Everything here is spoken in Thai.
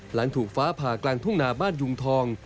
หลังถูกฟ้าผ่ากลางทุ่งนาบ้านยุงทอง